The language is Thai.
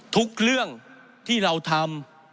ทุกเรื่องที่เราทำ